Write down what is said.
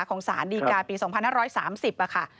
สารดีกาปี๒๕๓๐ค่ะ